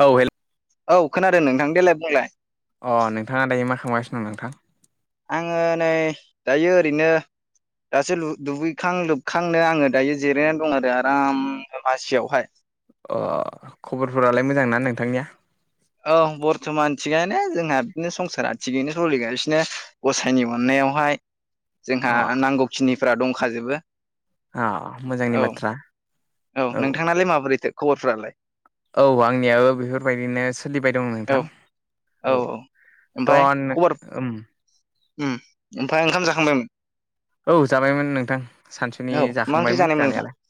औ हेल औ खोनादों नोंथां देलाय बुंलाय अ नोंथाङा दायो मा खालामांगासिनो दं नोंथां आङो नै दायो ओरैनो दासो दुगैखां लोबखांनो आङो दायो जिरायनानै दं आरो आराम मासियावहाय अ खबरफोरालाय मोजां ना नोंथांनिया औ बरथमान थिगानो जोंहा बिदिनो संसारा थिगैनो सोलिगासिनो गसायनि अननायावहाय जोंहा अ नांगौखिनिफोरा दंखाजोबो अ मोजांनि औ बाथ्रा औ नोंथांलाय माबोरैथो खबरफोरालाय औ आंनियाबो बेफोरबायदिनो सोलिबाय दं औ नोंथां औ थ उम ओमफ्राय ओंखाम जाखांबायमोन औ जाबायमोन नोंथां सानसुनि औ मा ओंख्रि जाखांबायमोन जानायमोन जानायालाय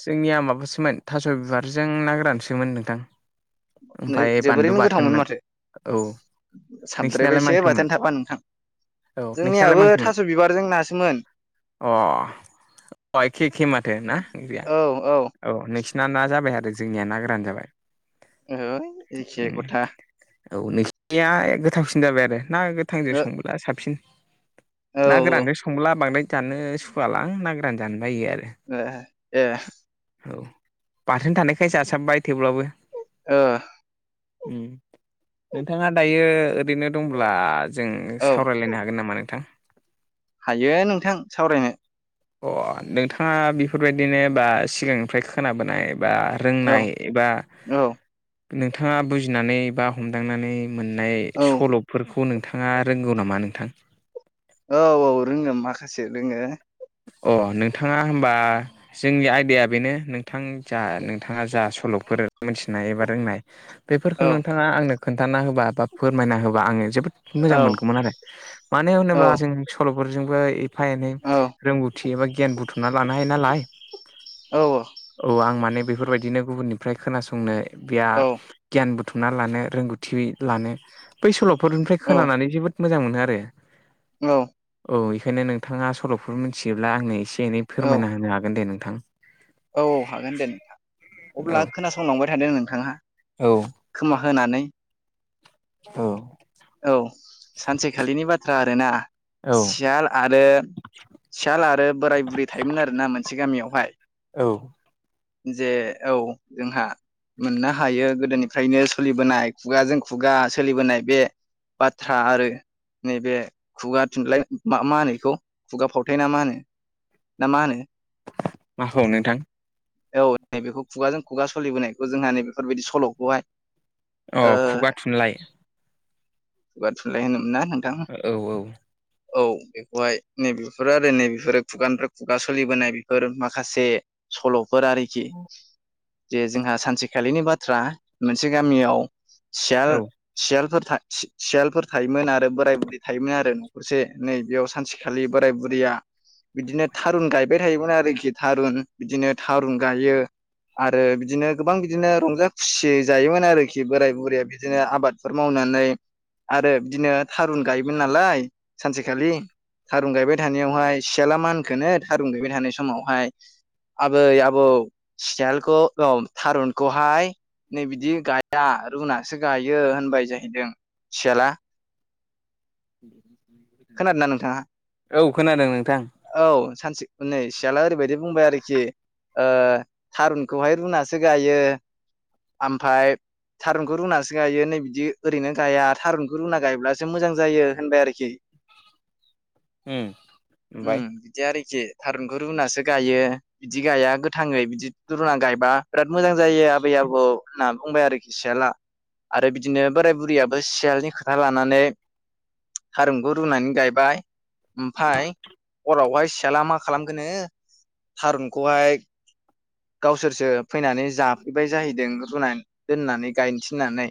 जोंनिया माबासोमोन थास' बिबारजों ना गोरानसोमोन नोंथां नोंथां ओमफ्राय बानलु जोबोरैनो गोथावमोन बाथोनमोन माथो औ नोंसिनालाय मा साबद्रायबायसो ओंख्रिमोन बाथोन थाा नोंथां औ नोंसिनालाय जोंनियाबो मा ओंख्रिमोन थास बिबारजों नासोमोन अ अ एखे एखे माथो ना ओंख्रैया औ नोंसिना ना जाबाय आरो जोंनिया ना गोरानो जाबाय ऐ एखे उम खथा औ नोंसिनिया गोथावसिन जाबाय आरो ना गोथांजों ओ संबोला साबसिन औ ना गोरानजों संला बांद्राय जानो सुवलां ना गोरान जानो बायो आरो ए ए औ बाथोनो थानायखाय जासाबबाय थेब्लाबो। ओ ओ उम नोंथाङा दायो ओरैनो दंब्ला। जों औ सावरायलायनो हागोन नामा नोंथां? हायो नोंथां सावरायनो। अ नोंथाङा बेफोरबायदिनो बा सिगांनिफ्राय खोनाबोनाय बा औ रोंनाय एबा औ नोंथाङा बुजिनानै बा हमदांनानै मोननाय औ सल'फोरखौ नोंथाङा रोंगौ नामा नोंथां? औ औ रोङो माखासे रोङो? अ नोंथाङा होमबा? जोंनि आयदाया बेनो नोंथां जा नोंथाङा जा सल'फोर मोनथिनाय एबा रोंनाय बेफोरखौ औ नोंथाङा आंनो खोन्थाना होबा बा फोरमायना होबा आङो जोबो मोजां औ मोनगौमोन आरो मानो औ होनोब्ला जों सल'फोरजोंबो एफा एनै औ रोंगौथि एबा गियान बुथुमना लानाय औ नालायो औ आं माने बेफोरबायदिनो गुबुननिफ्राय खोनासंनो गैया औ गियान बुथुमना लानो रोंगौथि लानो बै सल'फोरनिफ्राय खोनानानै जोबोद मोजां मोनो आरो। औ। औ इखायनो नोंथाङा सल'फोर मिथियोब्ला आंनो एसे एनै औ फोरमायना होनो हागोन दे नोंथां। औ हागोन दे नोंथां औ अब्ला खोनासंलांबाय थादों नोंथाङा? औ। खोमा होनानै ओ औ सानसेखालिनि बाथ्रा आरोना औ सियाल आरो। सियाल आरो बोराय बुरै थायोमोन आरोना मोनसे गामियावहायो। औ। जे औ जोंहा मोननो हायो गोदोनिफ्रायनो सोलिबोनाय खुगाजों खुगा सोलिबोनाय बेयो बाथ्रा आरो नैबे खुगा थुनलाइ मा मा होनो इखौ खुगा फावथाय नामा होनो? ना मा माखौ नोंथां? औ ने बेखौ खुगाजों खुगा सोलिबोनायखौ जोंहा नै बेफोरबादि सल'खौहायो औ खुगा थुनलाइ खुगा थुनलाइ होनोमोनना औ औ। औ बेखौहाय नै बेफोर आरो नै बेफोरो खुगानिफ्राय खुगा सोलिबोनाय बेफोर माखासे सल'फोर आरोखि जे जोंहा सानसेखालिनि बाथ्रा मोनसे गामियाव सियाल औ सियारफोर था सि सियालफोर थायोमोन आरो बोराय बुरै थायोमोन आरो नखरसे नै बेयाव सानसेखालि बोराय बुरैयो बिदिनो थारुन गायबाय थायोमोन आरोखि थारुन बिदिनो थारुन गायो। आरो बिदिनो गोबां बिदिनो रंजा खुसि जायोमोन आरोखि बोराय बुरैया बिदिनो आबादफोर मावनानै आरो बिदिनो थारुन गायोमोन नालाय सानसे खालि थारुन गायबाय थानायावहाय सियाला मान होनखोनो थारुन गायबाय थानाय समावहायो आबै आबौ सियालखौ औ थारुनखौहायो नै बिदि गाया रुनानैसो गायो होनबाय जाहैदों सियाला [inaudible] खोनादोना नोंथाङा? औ खोनादों नोंथां औ सानसे नै सियाला ओरैबायदि बुंबाय आरोखि ओ थारुनखौहाय रुनासो गायो आमफायो थारुनखौ रुनासो गायो नै बिदि ओरैनो गाया थारुनखौ रुना गायब्लासो मोजां जायो होनबाय आरोखि उम ओमफ्राय उम बिदि आरोखि थारुनखौ रुनासो गायो बिदि गाया गोथाङै बिदि रुना गायबा बिराद मोजां जायो आबै आबौ होनना बुंबाय आरोखि सियाला आरो बिदिनो बोराय बुरैयाबो सियालनि खोथा लानानै थारुनखौ रुनानै गायबाय ओमफ्राय हरावहाय सियाला मा खालामगोननो थारुनखौहाय गावसोरसो फैनानै जाफैबाय जाहैदों रुनानै दोननानै गायनो थिननानै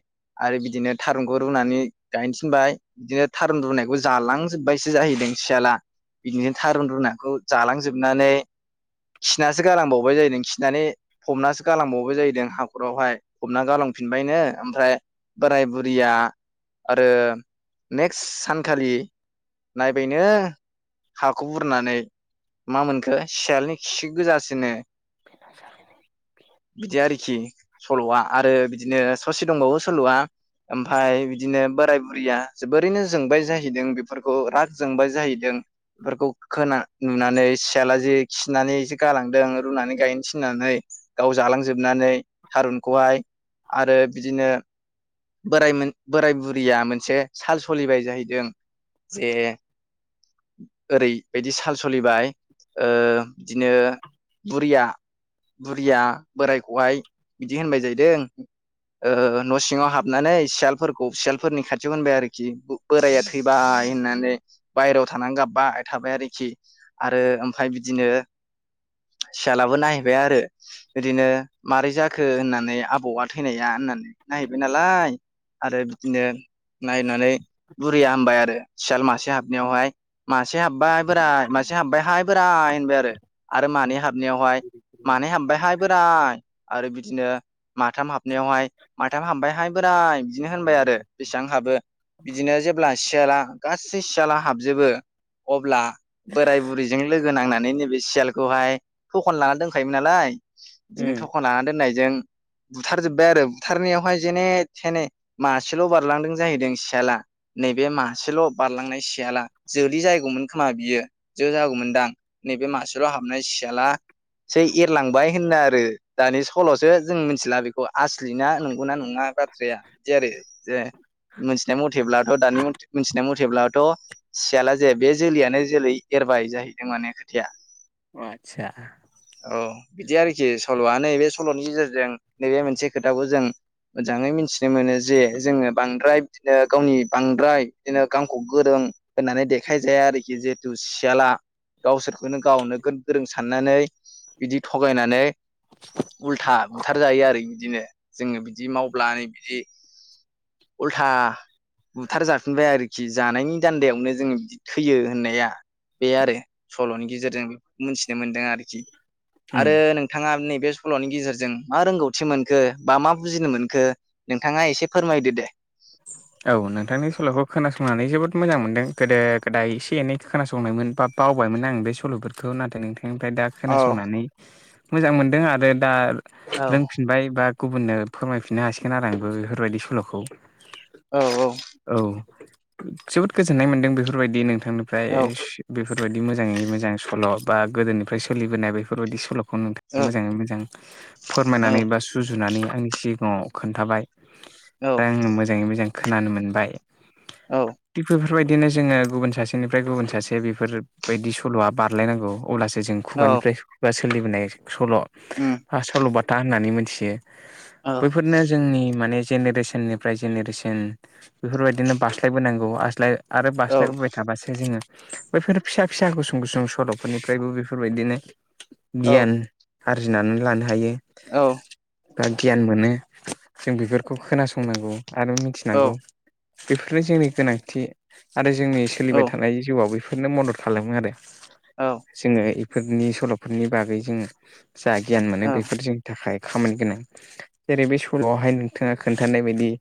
आरो बिदिनो थारुनखौ रुनानै गायनो थिनबाय बिदिनो थारुन रुनायखौ जालांजोबबायसो जाहैदों सियाला बिदिनो थारुन रुनाखौ जालांजोबनानै खिनासो गालांबावबाय जाहैदों खिनानै फ'बनासो गालांबावबाय जाहैदों हाखरावहाय फ'बना गालांफिनबायनो ओमफ्राय बोराय बुरिआ आरो नेक्स्ट सानखालि नायबायनो हाखौ बुरनानै मा मोनखो सियालनि खि गोजासोनो [unintelligible] बिदि आरोखि सल'आ आरो बिदिनो स'से दंबावो सल'आ आमफय बिदिनो बोराय बुरैआ जोबोरैनो जोंबाय जाहैदों बेफोरखौ राग जोंबाय जाहैदों बेफोरखौ खोना नुनानै सियाला जि खिनानैसो गालांदों रुनानै गायनो थिन फैनानै गाव जालांजोबनानै थारुनखौहाय आरो बिदिनो बोरायमोन बोराय बुरिआ मोनसे साल सोलिबाय जाहैदों जे ओरैबायदि साल सलिबाय ओ बिदिनो बुरिआ बुरिआ बोरायखौहाय बिदि होनबाय जाहैदों ओ न'सिङाव हाबनानै सियालफोरखौ सियालफोरनि खाथियाव होनबाय आरोखि बोराया थैबाय होननानै बायहेरायाव थानानै गाबबाय थाबाय आरोखि आरो आमफाय बिदिनो सियालाबो नायहैबाय आरो इदिनो मारै जाखो होननानै आबौआ थैनाया होननानै नायहैबाय नालाय आरो बिदिनो नायनानै बुरिआ होनबाय आरो सियाल मासे हाबनायावहाय मासे हाब्बाय बोराय मासे हाब्बायहाय बोराय होनबाय आरो आरो मानै हाबनायावहाय मानै हाब्बायहाय बोराय आरो बिदिनो माथाम हाबनायावहाय माथाम हाबबायहाय बो बोराय बिदिनो होनबाय आरो बेसेबां हाबो बिदिनो जेब्ला सियाला गासै सियाला हाबजोबो अब्ला बोराय बुरैजों लोगो नांनानै नैबे सियालखौहाय थखन लाना दोंन खायोमोन नालाय बिदिनो उम थखन लाना दोननायजों बुथारजोबबाय आरो बुथारनायावहाय जेने थेने मासेल' बारलांदों जाहैदों सियाला नैबे मासेल' बारलांनाय सियाला जोलि जायैगौमोन खोमा बियो जो जागौमोनदां नैबे मासेल' हाबनाय सियाला सै एरलांबाय होनना आरो दानि सल'सो जों मिथिला बेखौ आसलि ना नंगौना नङा बाथ्राया इदि आरो जे मिथिनाय मथेब्लाथ' दानि मिथिनाय मथेब्लाथ' सियाला जे बे जोलैयानो जोलै एरबाय जाहैदों माने खोथाया आदसा औ बिदि आरोखि सल'आ नैबे सल'नि गेजेरजों नैबे मोनसे खोथाखौ जों मोजांयै मिथिनो मोनो जे जोङो बांद्राय बिदिनो गावनि बांद्राय बिदिनो गावखौ गोरों होननानै देखायजाया आरोखि जिहेथु सियाला गावसोरखौनो गाव नोगोद गोरों साननानै बिदि थगायनानै उलथा बुथार जायो आरो इदिनो जोङो बिदि मावब्लानो बिदि उल्था बुथार जाफिनबाय आरोखि जानायनि दान्दायावनो जों बिदि थैयो होननाया बे आरो सल'नि गेजेरजों बेफोरखौ मोथिनो मोनदों आरोखि उम आरो नोंथाङा नैबे सल'नि गेजेरजों मा रोंगौथि मोनखो बा मा बुजिनो मोनखो नोंथाङा एसे फोरमायदो दे औ नोंथांनि सल'खौ खोनासंनानै जोबोद मोजां मोनदों गोदो गोदाय एसे एनै खोनासंनायमोन बा बावबायमोन आं बे सल'फोरखौ नाथाय नोंथांनिफ्राय दा औ खोनासंनानै मोजां मोनदों आरो दा औ रोंफिनबाय बा गुबुननो फोरमायफिननो हासिगोन आरो आंबो बेफोरबायदि सल'खौ औ औ औ जोबोद गोजोननाय मोनदों बेफोरबायदि नोंथांनिफ्राय औ बे फोरबायदि मोजाङै मोजां सल' बा गोदोनिफ्राय सोलिबोनाय बेफोरबायदि सल'खौ औ नोंथाङा मोजाङै मोजां फोरमायनानै बा सुजुनानै आंनि सिगाङाव खोन्थाबाय औ दा आङो मोजाङै मोजां खोनानो मोनबाय औ थिग बेफोरबायदिनो जोङो गुबुन सासेनिफ्राय गुबुन सासे बेफोरबायदि सल'आ बारलायनांगौ अब्लासो जों औ खुगानिफ्राय खुगा सोलिबोनाय सल उम हा सल'बाथा होननानै मिथियो औ बैफोरनो जोंनि माने जेनेरेसननिफ्राय जेनेरेसन एन बेफोरबायदिनो बास्लायबोनांगौ आसलाय आरो औ बास्लायबोबाय थाबासो जोङो बेफोर फिसा फिसा गुसुं गुसुं सल'फोरनिफ्रायबो बेफोरबायदिनो औ गियान आरजिनानै लानो हायो। औ बा गियान मोनो जों बेफोरखौ खोनासंनांगौ आरो औ मिथिनांगौ बेफोरनो जोंनि गोनांथि आरो जोंनि सोलिबाय थानाय जिउआव बेफोरनो मदद खालामो आरो औ जोङो बेफोरनि सल'फोरनि बागै जों जा गियान मोनो बेफोरजों थाखाय खामानि गोनां जेरै बे सल'आवहाय नोंथाङा खोन्थानाय बायदि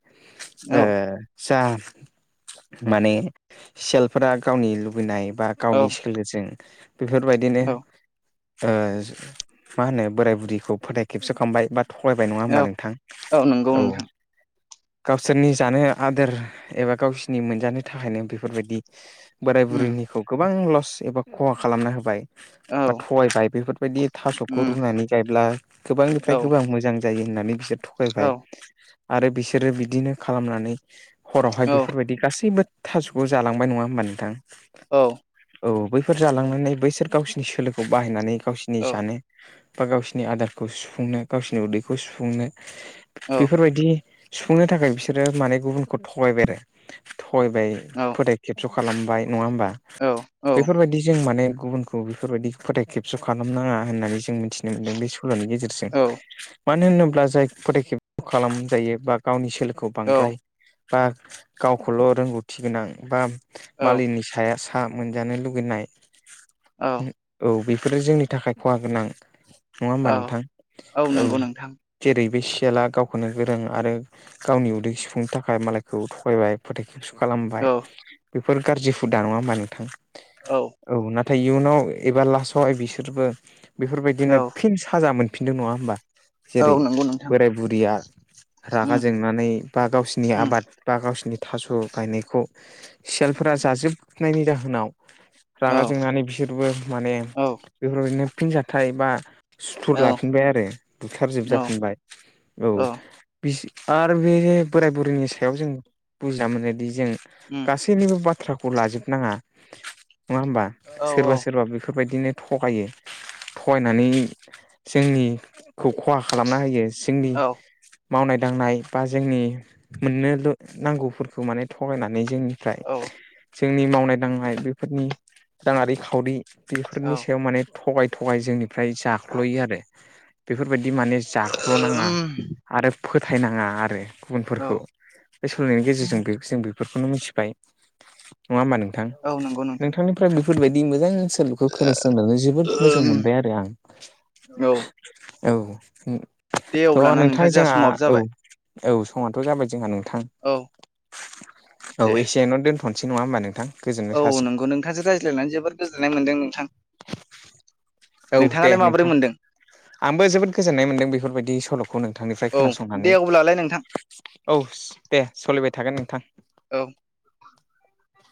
ओ जा माने सेलफोरा गावनि लुबैनाय बा औ गावनि सोलोजों बेफोरबायदिनो ओ मा होनो बोराय बुरिखौ फोथाय खेबस खामबाय बा थगायबाय नङा ओमबा औ नोंथां नंगौ औ नोंथां सोरनि जानो आदोर एबा गावसोरनि मोनजानो थाखायनो बेफोरबायदि बोराय उम बुरैनिखौ गोबां लस एबा खहा खालामना होबाय। औ बा थगायबाय बेफोरबायदि थास'खौ उम रुनानै गायोब्ला औ गोबांनिफ्राय गोबां मोजां जायो होननानै बिसोर औ थगायबाय आरो बिसोरो बिदिनो खालामनानै हरावहाय औ बेफोरबायदि गासैबो थास'खौ जालांबाय नङा ओमबा नोंथां? औ औ बैफोर जालांनानै बैसोर गावसिनि सोलोखौ बाहायनानै गावसिनि औ जानो बा गावसिरनि आदारखौ सुफुंनो गावसिरनि उदैखौ सुफुंनो बेफोरबायदि सुफुंनो थाखाय बिसोरो माने गुबुनखौ थगायबाय आरो थगायबाय फोथाय खेबस' खालामबाय नङा ओमबा बेफोरबायदि जों माने गुबुन खौ बेफोरबायदि फोथाय खेबस' खालामनाङा होननानै जों मिथिनो मोन्दों बे सल'नि गेजेरजों मानो होनोब्ला जाय फोथाइखेब खालामजायो बा गावनि सोलोखौ औ बांद्राय बा गावखौल' रोंगौथि गोनां बा मालिनि साया था मोनजानो लुुबैनाय औ औ बेफोरो जोंनि थाखाय खहा गोनां नङा होमबा नोंथां औ नंगौ नोंथां जेरै बे सियाला गावखौनो गोरों आरो गावनि उदै सुफुंनो थाखाय मालायखौ थगायबाय। फोथाय खेबस‌' खालामबाय औ बेफोर गाज्रि हुदा नङा होमबा नोंथां? औ नाथाय इयुनाव एबा लासावहाय बिसोरबो औ बेफोरबायदिनो फिन साजा मोनफिनदों नङा होमबा औ जेरै नंगौ नोंथां बोराय बुरैया रागा उम जोंनानै बा गावसिनि उम आबाद बा गावसोरनि थास' गायनायखौ सियालफोरा जाजोबनायनि जाहोनाव औ रागा जोंनानै बिसोरबो माने औ बेफोरबायदिनो फिन जाथाइ बा सुथुर औ लाफिनबाय आरो औ बुथारजोबजाफिनबाय औ बिस आरो बे बोराय बुरैनि सायाव जों बुजिया मोनोदि जों उम गा सैनिबो बाथ्राखौ लाजोबनाङा नङा ओमबा औ औ सोरबा सोरबा बेफोरबायदिनो थगायो थगायनानै जोंनिखौ खहा खालामना होयो। जोंनि औ मावनाय दांनाय बा जोंनि मोननो नांगौफोरखौ माने थगायनानै जोंनिफ्राय औ जोंनि मावनाय दांनाय बेफोरनि राङारि खावरि औ बेफोरनि सायाव माने थगाय थगाय जोंनिफ्राय जाख्ल'यो आरो बेफोरबायदि माने जाख्ल'नाङा उम आरो फोथायनाङा आरो औ गुबुनफोरखौ। बे सोलिनायनि गेजेरजों जों बेफोरखौनो मिथिबाय नङा होमबा नोंथां औ नंगौ नोंथां नोंथांनिफ्राय बेफोरबायदि मोजां ओनसोल बेखौ खोनासंनानै जोबोद मोजां उम मोनबाय आरो आं औ औ दे थ' अब्लाना नोंथां जोंहा समाबो औ जाबाय औ समआथ' जाबाय जोंहा नोंथां औ औ दे एसेयन' दोनथ'नोसै नंङा होमबा नोंथां गोजोननाय औ थासिम नंगौ नोंथांसो रायज्लायनानै जोबोद गोजोन्नाय मोन्दों नोंथां औ दे नोंथाङालाय माबोरै नोंथां मोनदों आंबो जोबोद गोजोननाय मोनदों बेफोरबायदि सल'खौ खौ नोंथांनिफ्राय औ दे खोनासंनानै अब्लालाय नोंथां औ दे सोलिबाय थागोन नोंथां औ